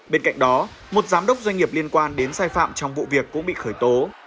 bên cạnh đó một giám đốc doanh nghiệp liên quan đến sai phạm trong vụ việc cũng bị khởi tố